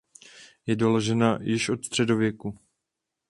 Je doložena již od středověku.